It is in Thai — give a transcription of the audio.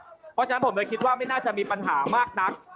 เพราะฉะนั้นผมเลยคิดว่าไม่น่าจะมีปัญหามากนัก